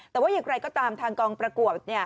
แต่ว่าอย่างไรก็ตามทางกองประกวด